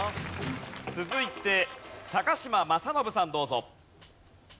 続いて嶋政伸さんどうぞ。